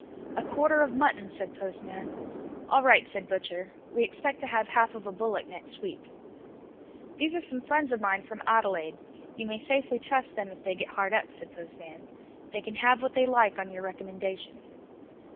"A quarter of mutton," said Postman. "All right," said butcher, "we expect to have half of a bullock next week." "These are some friends of mine from Adelaide; you may safely trust them if they get hard up," said Postman. "They can have what they like on your recommendation."